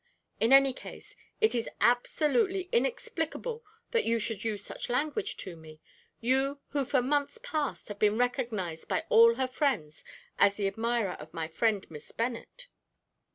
In any case, it is absolutely inexplicable that you should use such language to me, you who for months past have been recognized by all her friends as the admirer of my friend Miss Bennet."